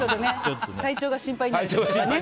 体調が心配になるやつね。